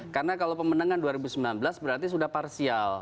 karena kalau pemenangan dua ribu sembilan belas berarti sudah parsial